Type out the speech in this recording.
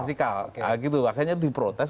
akhirnya itu diprotes